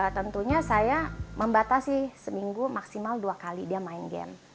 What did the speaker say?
tentunya saya membatasi seminggu maksimal dua kali dia main game